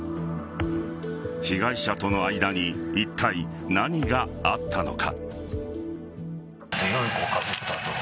被害者との間にいったい何があったのか。